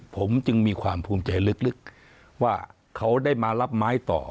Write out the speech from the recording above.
ผมจึงมีความภูมิใจลึกว่าเขาได้มารับไม้ต่อ